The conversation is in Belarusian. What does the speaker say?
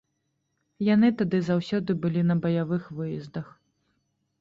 Яны тады заўсёды былі на баявых выездах.